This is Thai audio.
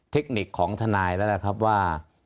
เทคนิคของทนายแล้วนะครับว่า